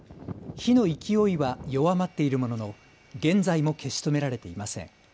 火の勢いは弱まっているものの現在も消し止められていません。